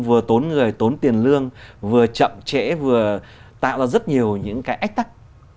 vừa tốn người tốn tiền lương vừa chậm trễ vừa tạo ra rất nhiều những cái ách tắc